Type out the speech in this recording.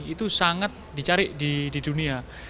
itu sangat dicari di dunia